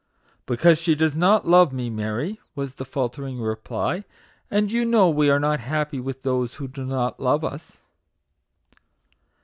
Because she does not love me, Mary," was the faltering reply; "and you know we are not happy with those who do not love us."